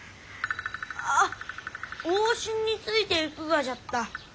あっ往診についていくがじゃった。